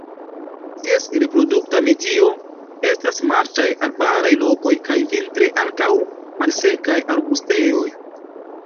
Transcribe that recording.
Ties reprodukta medio estas marĉaj arbaraj lokoj kaj vintre ankaŭ malsekaj arbustejoj.